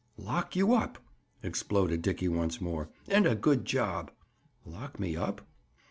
"Lock you up!" exploded Dickie once more. "And a good job." "Lock me up?"